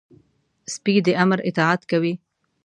سپي د امر اطاعت کوي.